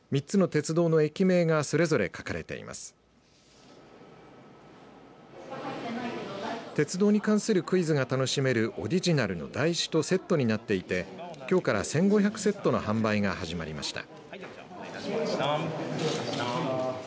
鉄道に関するクイズが楽しめるオリジナルの台紙とセットになっていてきょうから１５００セットの販売が始まりました。